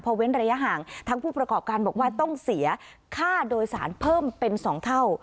เว้นระยะห่างทั้งผู้ประกอบการบอกว่าต้องเสียค่าโดยสารเพิ่มเป็น๒เท่า